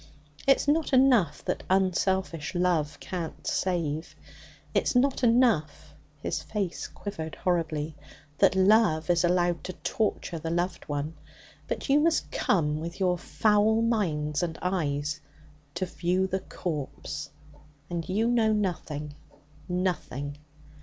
It's not enough that unselfish love can't save. It's not enough (his face quivered horribly) that love is allowed to torture the loved one; but you must come with your foul minds and eyes to "view the corpse." And you know nothing nothing.'